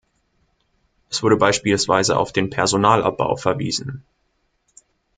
Es wurde beispielsweise auf den Personalabbau verwiesen.